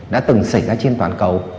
đã từng xảy ra trên toàn cầu